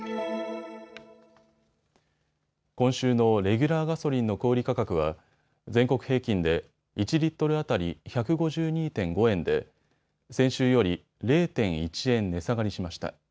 今週のレギュラーガソリンの小売価格は全国平均で１リットル当たり１５２．５円で先週より０．１円値下がりしました。